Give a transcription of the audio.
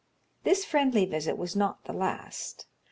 This friendly visit was not the last.